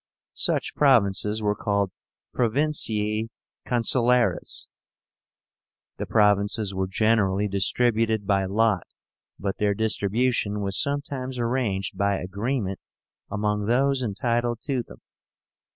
Such provinces were called Provinciae Consuláres. The provinces were generally distributed by lot, but their distribution was sometimes arranged by agreement among those entitled to them.